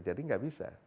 jadi gak bisa